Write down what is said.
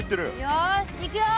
よしいくよ！